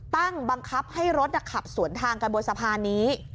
บังคับให้รถขับสวนทางกันบนสะพานนี้